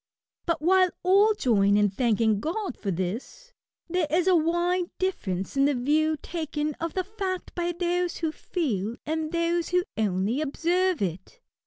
But, while all join in thanking God for this, there is a wide difference in the view taken of the fact by those who feel and those who only observe it.